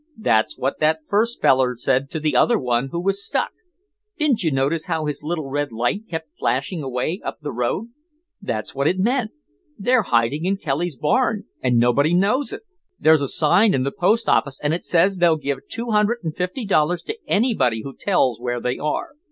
That's what that first feller said to the other one who was stuck. Didn't you notice how his little red light kept flashing away up the road? That's what it meant. They're hiding in Kelly's barn and nobody knows it. "There's a sign in the post office and it says they'll give two hundred and fifty dollars to anybody who tells where they are.